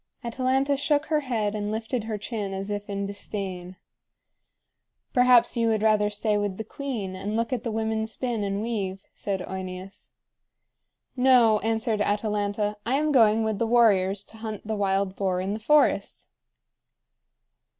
Atalanta shook her head and lifted her chin as if in disdain. "Perhaps you would rather stay with the queen, and look at the women spin and weave," said OEneus. "No," answered Atalanta, "I am going with the warriors to hunt the wild boar in the forest!"